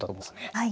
はい。